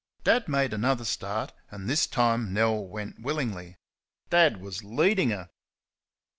Dad made another start, and this time Nell went willingly. Dad was leading her!